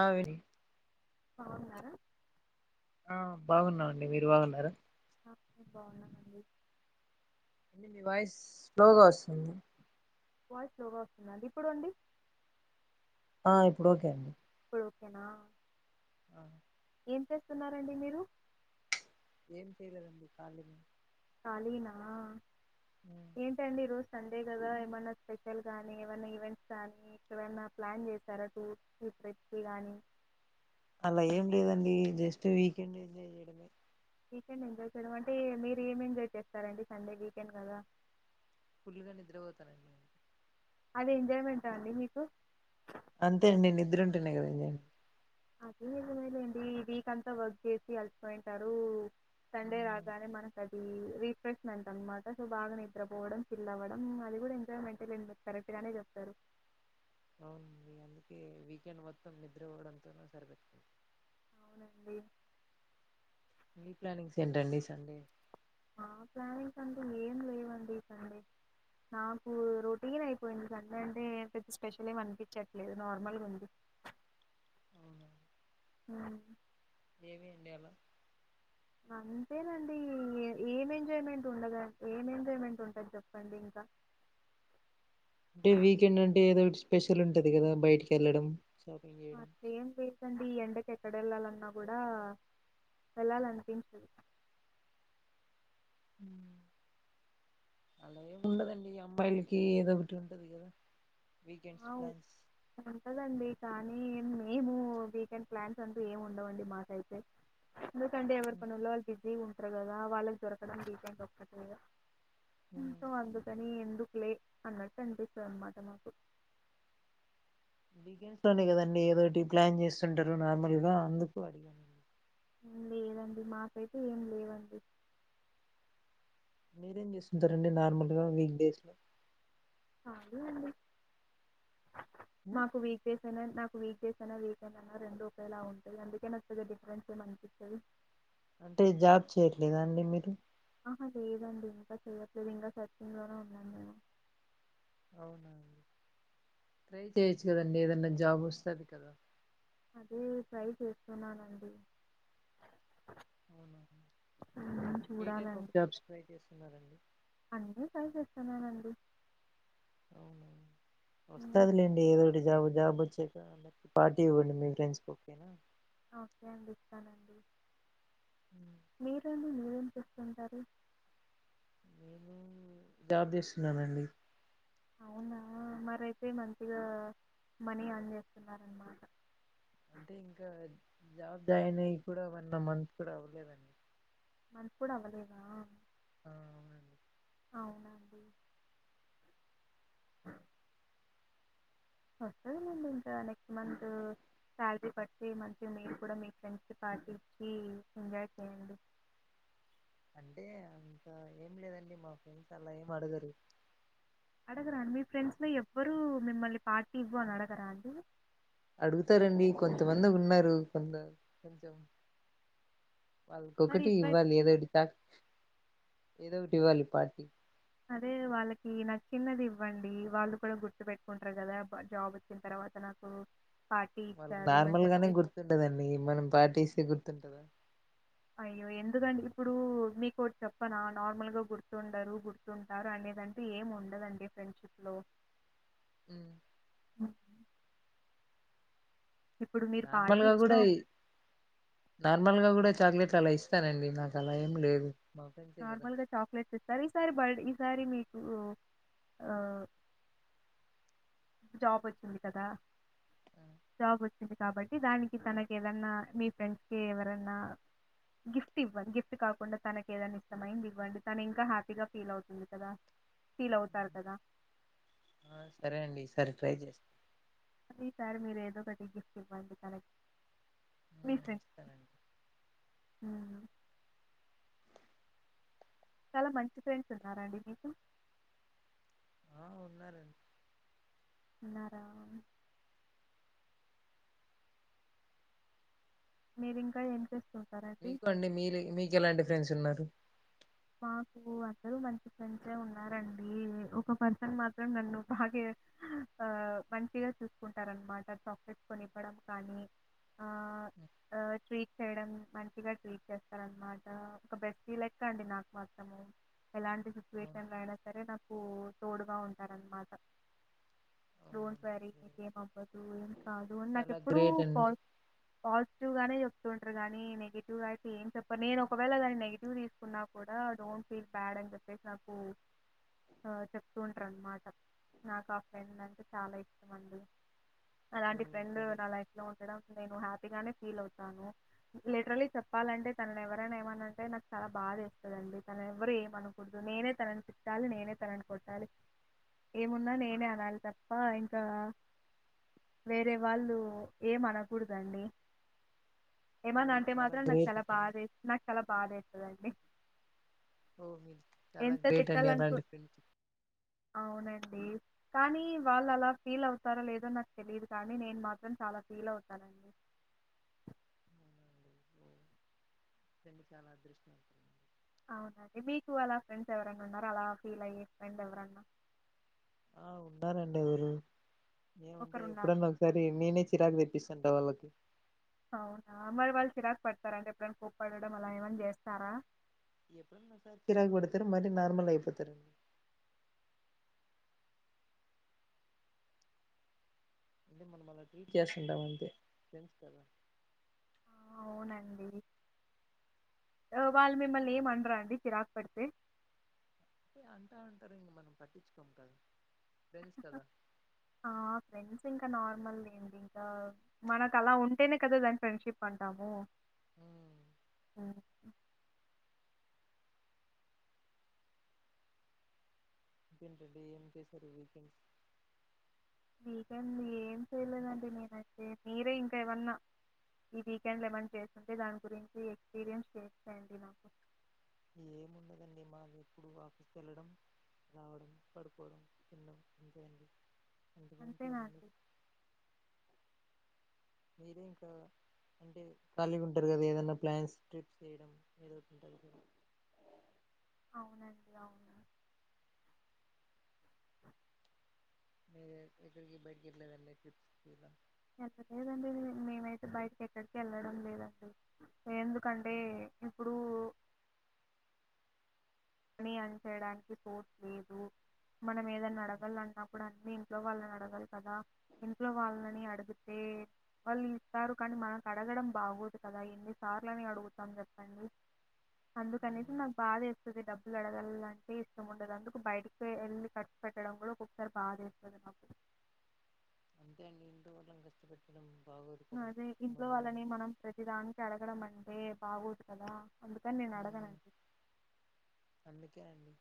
ఆవిరి అవునా ఆ బాగున్నామండి మీరు బాగున్నార ఆ మేం బాగున్నామండి అండి మీ వాయిస్ స్లోగ వస్తుంది వాయిస్ స్లోగా వస్తుందండి ఇప్పుడు అండి ఆ ఇప్పుడు ఒకే అండి ఇప్పుడొకేన ఆ ఏం తెస్తూన్నరండి మీరు ఏం చేయలేదండి కాళిగనే కాలీనా ఏంటండి ఈ రోజ్ సండే కదా ఏమైనా స్పెషల్ కానీ ఏమైనా ఈవెంట్స్ కానీ ఏమైనా ప్లాన్ చేశారా టూర్కి ట్రిప్కి కానీ అలా ఏం లేదండి జస్ట్ వీకెండ్ ఎంజాయ్ చేయడమే వీకెండ్ ఎంజాయ్ చేయడం అంటే మీరు ఏం ఎంజాయ్ చేస్తారండి సండే వీకెండ్ కదా ఫుల్గా నిద్రపోతానండి అదే ఎంజాయ్మెంటా అండి మీకు అంతే అండి నిద్ర ఉంటునే కదా ఎంజాయ్ మె అధీ నిజమేలేండి వీక్ అంతా వర్క్ చేసి అల్సిపోయింటారూ సండే ఉమ్ రాగానే మనక్ అది రీఫ్రెష్మెంట్ అనమాట సో బాగా నిద్రపోవడం ఫిల్ అవ్వడం అది కూడా ఎంజాయ్మెంటేలేండి కరెక్ట్ గానే చెప్తారు అవునండి అందుకే వీకెండ్ మొత్తం నిద్ర పోవడంతోనే సరిపెడుతుంది అవునండి మీ ప్లానింగ్స్ ఏంటండీ సండే మా ప్లానింగ్స్ అంటే ఏం లేవండి సండే నాకు రొటీన్ అయిపోయింది సండే అంటే పెద్ద స్పెషల్ ఏమి అనిపించట్లేదు నార్మల్గా ఉంది అవునా మ్మ్ ఏమి అండి అలా అంతేనండి ఎ ఏం ఎంజాయ్మెంట్ ఉండదు ఏం ఎంజాయ్మెంట్ ఉంటది చెప్పండి ఇంకా అంటే వీకెండ్ అంటే ఏదో ఒకటి స్పెషల్ ఉంటది కదా బయటికి వెళ్ళడం షాపింగ్ చేయడం కండి ఈ ఎండకి ఎక్కడ వెళ్ళాలన్నా కూడా వెళ్ళాలనిపించదు అలా ఏం ఉండదండి అమ్మాయిలకి ఏదో ఒకటి ఉంటది కదా వీకండ్స్ ఆ! ప్లాన్స్ ఉంటదండి. కానీ మేము వీకెండ్ ప్లాన్స్ అంటూ ఏమి ఉండవండి మాకైతే ఎందుకంటే ఎవరి పనుల్లో వాళ్ళు బిజీ ఉన్ తరు కదా వాళ్ళకి దొరకడం వీకెండ్ ఒక్కటే గా మ్మ్ తో అందుకని మ్మ్ అందుకులే అన్నట్టు అనిపిస్తది అనమాట మాకు బిగెన్స్లో నే కదండి ఏదోటి ప్లాన్ చేస్తుంటారు నార్మల్గా అందుకు అడిగాను లేదండి మాకైతే ఏం లేవండి మీరేం చేస్తుంటారండి నార్మల్గా వీక్డేస్ లో కాలి అండి మాకు వీక్ డేస్ అయిన నాకు వీక్డేస్ అయినా వీకెండ్ అయినా రెండు ఒకేలా ఉంటది అందుకే నకు పెద్ద డిఫరెన్స్ ఏమ అనిపిచ్చదు అంటే జాబ్ చేయట్లేదా అండి మీరు ఆహా లేదండి ఇంకా చెయట్లేదు ఇంకా సెర్చింగ్ లొ నే ఉన్నాను నేను అవున ట్రై చేయొచ్చు కదండి ఏదనా జాబ్ వస్తుంది కదా అదే ట్రై చేస్తున్నానండి హ్మ్. ఏ టైప్ చూడాలండి. ఆఫ్ జాబ్స్ ట్రై చేస్తున్నారండి అన్నీ ట్రై చేస్తున్నానండి. హ్మ్. వస్తాది లేండి ఏదో ఒకటి జాబ్ జాబ్ వచ్చాక పార్టీ ఇవ్వండి మీ ఫ్రెండ్స్కి ఒకే నా ఓకే అండి ఇస్తానండి మీరు అండి మీరు మీరేం చేస్తుంటారు నేను జాబ్ చేస్తున్నానండి అవునా మరయితే మంచిగా మనీ యార్న్ చేస్తున్నరునమాట అంటే ఇంకా జాబ్ జాయిన్ అయ్య కూడావన్న మంత్ కూడా అవ్వలేదండి మంత్ కూడా అవ్వలేదా ఆ అవునండి అవునా నండి వస్తాది లేండి నెక్స్ట్ మంత్ శాలరీ బా ఐతే మంచిగా మీరు కూడా మీ ఫ్రెండ్స్ కి పార్టీ ఇచ్చి ఎంజాయ్ చేయండి అంటే ఇంక ఏం లేదండి మా ఫ్రెండ్స్ అలా ఏం అడగరు అడగరాండి మీ ఫ్రెండ్స్ లో ఎవ్వరు మిమ్మల్ని పార్టీ ఇవ్వర అని అడగరా అండి అడుగుతారండి కొంతమంది ఉన్నారు కొందరు కొంచెం మరి ఒక్కొక్కటి ఇవ్వ ఇవ్వాలి ఏదో ఒకటి కాదు ఏదో ఒకటి ఇవ్వాలి పార్టీ అదే వాళ్ళకి న చిన్నది ఇవ్వండి వాళ్ళు కూడా గుర్తు పెట్టుకుంటారు కదా జాబ్ వచ్చిన తర్వాత నాకు పార్టీ ఇచ్చారు అని నార్మల్ గానే చెప్పేసి. గుర్తు ఉండదండి మనం పార్ట్ ఇస్తే గుర్తుంటందా అయ్యో ఎందుకండి ఇప్పుడు మీకు ఒకటి చెప్పనా నార్మల్గా గుర్తుండరు గుర్తుంటారు అనేదంటు ఏం ఉండదండి ఫ్రెండ్షిప్ లో హ్మ్ [unintelligible] [inaudible] ఇప్పుడు మీరు నార్మల్ పార్టీ గా కూడా ఇచ్చినా నార్మల్గా కూడా చాక్లెట్ అలా ఇస్తానండి నాకు అలా ఏం లేదు మా ఫ్రెండ్సే కదా నార్మల్ గా చాక్లెట్స్ ఇస్తారు ఈసారి బయటికి ఈసారి మీకు జాబ్ వచ్చింది కదా ఆ, జాబ్ వచ్చింది కాబట్టి దానికి తనకి ఏదన్నా మీ ఫ్రెండ్స్ కి ఎవరన్నా గిఫ్ట్ ఇవ్వండి గిఫ్ట్ కాకుండా తనకి ఏదైనా ఇష్టమైంది ఇవ్వండి తన ఇంకా హ్యాపీగా ఫీల్ అవుతుంది కదా ఫీల్ అవుతారు ఉమ్. కదా ఆ సరే అండి ఈ సరి ట్రై చేస్తా అది సార్ మీరు ఏదో ఒకటి గిఫ్ట్ ఇవ్వండి కలెక్ట్ మీ ఫ్రెండ్ ఇస్తానండి చాలా మంచి ఫ్రెండ్స్ ఉన్నర అండి మీకు ఆ ఉన్నారండి ఉన్నారా మీరింకా ఏం చేస్తున్ మీకు అండి మీ మీకు ఎలాంటి ఫ్రెండ్స్ ఉన్నారు మాకు అందరూ మంచి ఫ్రెండ్సే ఉన్నారండి, ఒక పర్సన్ మాత్రం నన్ను బాగా అ మంచిగా చూసుకుంటారనమాట చాక్లెట్స్ కొనివ్వడం కానీ అ ట్రీట్ చేయడం, మంచిగా ట్రీట్ చేస్తారనమాట ఒక బెస్ లెక్క అండి నాకు మొత్తము ఎలాంటి అవును సిచ్యువేషన్లో అయినా సరే నాకు తోడుగా ఉంటారన్నమాట లోన్ అవునండి క్వ్యారీ నకు ఏమ అవ్వదు ఏం కాదు అని చాలా నాకెప్పుడూ గ్రేట్ అండి ఫాల్ ఫాల్స్ పాజిటివ్ గానే చెప్తుంటారుగాని నెగిటివ్ గా అయితే ఏం చెప్పరు నేను ఒకవేళ కాగాని నెగిటివ్ తీసుకున్నా కూడా డోంట్ ఫీల్ బ్యాడ్ అని చెప్పేసి నాకు అ చెప్తుూంటారు అనమాట నాకు ఆ ఫ్రెండ్ అంటే చాలా ఇష్టం అండి ఓ అలాంటి ఫ్రెండ్ చాలా న లైట్ లో ఉంటడం నేను హ్యాపీగానే ఫీల్ అవుతాను లిటరలీ చెప్పాలంటే తన ఎవరైనా ఏమంటే నాకు చాలా బాదా ండి తన ఎవరుూ ఏమ అనకూడదు, నేనే తనని తిట్టాలి నేనే తనని కొట్టాలి, ఏమున్నా నేనే అనాలి తప్ప ఇంకా వేరే వాళ్ళు ఏమ అనకూడదండి. ఓ ఎమన్నా అంటే చాలా మాత్రం నాకు గ్రేట్ చాలా బ నాకు చాలా బధ దండి ఓ మీ చాలా గ్రేట్ అండి తిట్టాలనుకు అలాంటి ఫ్రెండ్ అవునండి కానీ వాళ్ళు అలా ఫీల్ అవుతారో లేదో నాకు తెలియదు కానీ నేను మాత్రం చాలా ఫీల్ అవుతానండి. రడి చాలా అదృష్టం అ అవునండి మీకు అలా ఫ్రెండ్స్ ఎవరన్నా ఉన్నారు అలా ఫీల్ అయ్యే ఫ్రెండ్ ఎవరన్నా ఆ ఉన్నారండి ఒకరు ఏమంటే ఒకరున్నారు. ఎప్పుడన్నా ఒకసారి నేనే చిరాకు తెప్పిస్ తంట వాళ్ళకి అవునా మరి వాళ్ళు చిరాకు పడతార అంటే ఎప్పుడని కోప్పడడం అలా ఏమని చేస్తారా ఎప్పుడున్నా సారి చిరాకు పెడుతరు మరి నార్మల్యిపోతరు అంటే మనం అలా ట్రిల్ చేస్తుంటాం అంతే ఫ్రెంస్ కదా ఆ! అవునండి వాళ్ళు మిమ్మల్ని ఏమండరా అండి చిరాకు పెడితే అంటా అంటారు ఇంక మనం పట్టించుకోం కదా ఫ్రెండ్స్ కదా ఆ ఫెంసింగ్ ఇంకా నార్మల్ ఏంటి ఇంకా మనకు అలా ఉంటేనే కదా దాని ఫ్రెండ్షిప్ అంటాము ఉమ్. అఓ ంటంటడి ఏం చేసారు వీకెండ్స్ వీకెండ్ ఏం చేయలేదండి, నేనైతే మీరే ఇంకా ఏమన్నా ఈ వీకెండ్ లెమం చేసింటే దాని గురించి ఎక్స్పీరియన్స్ షేర్ చేయండి నాకు ఏముండదండి మాకు ఎప్పుడు ఆఫీస్ కి వెళ్ళడం రావడం పడుకోవడం తినడం ఉంటదండి అంతేనా అండి? [inaudible] మీరే ఇంకా అంటే ఖాళీగా ఉంటారు కదా ఏదనా ప్లాన్స్ ట్రిప్స్ చేయడం ఏదో ఒకటి ఉంటది కదా అవునండి అవునా మీరు ఎక్కడికి బయకిట్లా వెళ్ళి ట్రిప్స్లా వెళ్ళలేదండి మేమైతే బయటకి ఎక్కడికి వెళ్ళడం లేదండి ఎందుకంటే ఇప్పుడు ని అని చేయడానికి పోట్ లేదు మనం ఏదైనా అడగలన్నప్పుడు అన్ని ఇంట్లో వాళ్ళని అడగలి కదా, ఇంట్లో వాళ్ళని అడిగితే వాళ్ళు ఇస్తారు కానీ మనకు అడగడం బాగోదు కదా, ఎన్ని సార్లని అడుగుతాం చెప్పండి, అందుకనేసి ఉమ్, నాకు బాధే ది డబ్బులు అడగాలంటే ఇష్టం ఉండదు, అందుకు బయటకి వెళ్ళి ఖర్చు పెట్టడం కూడా ఒొసారి బాధేస్తుంది నాకు అంతే అండి ఇందు వలం కష్టపెడం అదే ఇంట్లో వాళ్ళని మనం ప్రతి దానికి అడగడం అం అే బాగోతు కదా ఉమ్, అందుకన్నేనడగనండి అందుకే అండి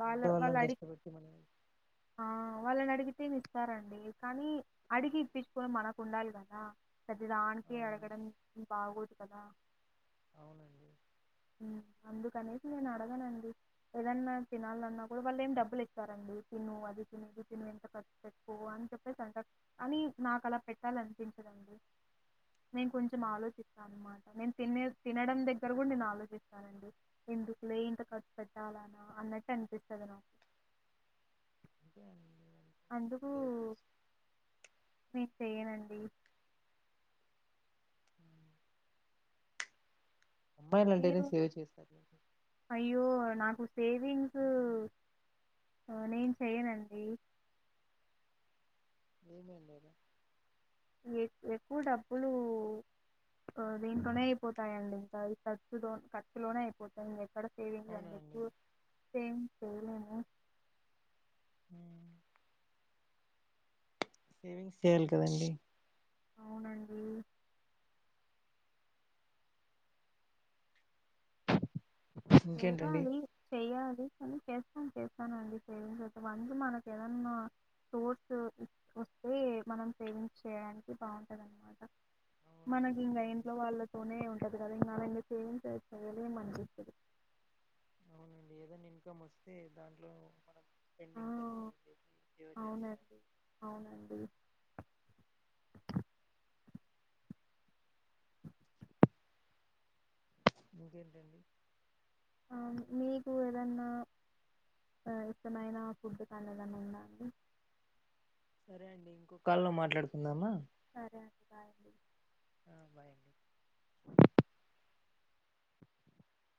వాళ్ళ ఇంట్లో వాళ్ళ వాళ్ళని అడి కష్టపెట్టి మన వాళ్ళనడి అగితేనిస్తారండి కానీ అడిగి ఇప్పిచ్చుకొని మనకుండాలి కదా ప్రతి దానికీ అడగడం బాగో కదా అవునండి మ్ అందుకనేసి నేను అడగనండి ఏదన్నా తినాలన్నా కూడా వాళ్ళు ఏం డబ్బులు ఇస్తారండి తిను అది తిను ఇది తిను ఇంత ఖర్చు పెట్టుకో అని చెప్పేసి అంటా కాని నాకలా పెట్టాలన్పించదండి నేను కొంచెం ఉమ్, ఆలోచిస్తాఅనమాట నేను తినే తినడం దగ్గర కూడా నేను ఆలోచిస్తానండి ఎందుకు లే ఇంత ఖర్చ్ పె ట్టాలానా అన్నట్టు అన్పిస్తది నాకు [unintelligible] అందుకు సేవ్ చేస్త మి చెయ్యనండి అమ్మాయిలంటేనే మీరు సేవ్ చేస్తారు [inaudible] అయ్యో నాకు సేవింగ్స్ నేను చెయ్యనండి ఏమండలా ఎక్కువ డబ్బులు దీంట్లోనే అయిపోతాయండి ఇంకా ఖర్చుతో ఖర్చులోనే అయిపోతాయండి ఎక్కడ సేవింగ్స్ అండి [inaudible] చెయ్ లేము సేవింగ్స్ చేయాలి కదండి అవునండి ఇంకేంటండి లేవాలి చెయ్యాలి చేస్తాన్ చేస్తానండి సేవింగ్సయితే వన్స్ మనకేదన్నా సోర్సు చేయడానికి బావుంటందనమాట అవునండి మనకింక ఇంట్లో ఏదైనా వాళ్ళతోనే ఉంటది కదా ఇంకా అలా సేవింగ్సే [inaudible] అవునండి ఏదైనా ఇన్కమ్ వస్తే దాంట్లో మనం ఆ స్పెండింగ్ అన్ని తీసేసి జీరో చేసేయాలి అవునండి అవునండి ఇంకేంటండి అవును మీకు ఏదన్నా ఇష్టమైన ఫుడ్ కానీ ఏదన్నా ఉందా అండి సరే అండి ఇంకో కాల్ లో మాట్లాడుకుందామా సరే అండి బాయ్ అండి ఆ బాయ్ అండి